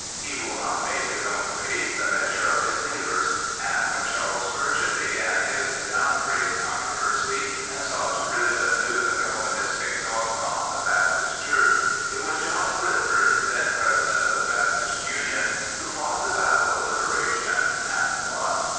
He will not make his own faith the measure of his neighbour's, and when Charles Spurgeon began his " Downgrade " controversy, and sought to rivet anew the Calvinistic dogma on the Baptist Church, it was John Clifford, then President of the Baptist Union, who fought the battle of liberation and won.